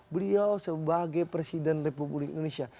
beliau sebagai presiden republik indonesia